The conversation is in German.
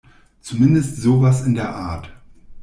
Zumindest sowas in der Art.